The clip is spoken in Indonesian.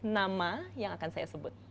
nama yang akan saya sebut